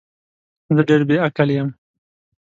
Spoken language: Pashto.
زه ډیر بی عقل یم